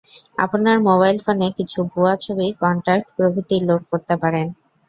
আপনার মোবাইল ফোনে কিছু ভুয়া ছবি, কন্টাক্ট প্রভৃতি লোড করতে পারেন।